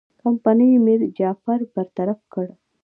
کمپنۍ میرجعفر برطرف کړ.